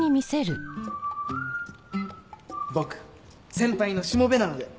僕先輩のしもべなので！